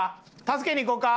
助けに行こうか？